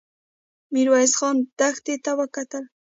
ميرويس خان دښتې ته وکتل.